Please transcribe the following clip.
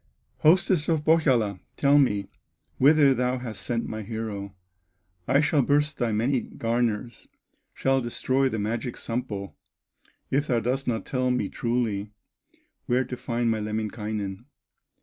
"Hostess of Pohyola, tell me Whither thou hast sent my hero; I shall burst thy many garners, Shall destroy the magic Sampo, If thou dost not tell me truly Where to find my Lemminkainen."